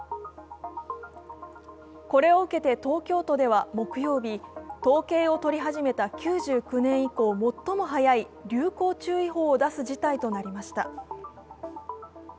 これを受けて東京都では木曜日、統計を取り始めた９９年以降、最も早い流行注意報を出す事態となりました。